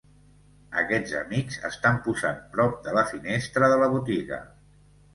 Aquests amics estan posant prop de la finestra de la botiga.